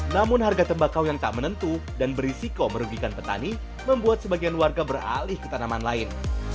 namun harga tembakau yang tak menentu dan berisiko merugikan petani membuat sebagian warga beralih ke tanaman lain